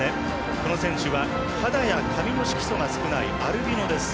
この選手は肌や髪の色素が少ないアルビノです。